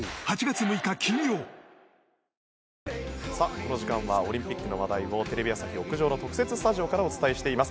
この時間はオリンピックの話題をテレビ朝日屋上の特設スタジオからお伝えしています。